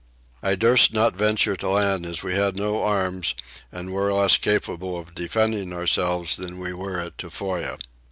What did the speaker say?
I durst not venture to land as we had no arms and were less capable of defending ourselves than we were at Tofoa.